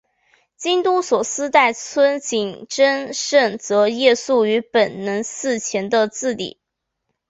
京都所司代村井贞胜则夜宿于本能寺前的自邸。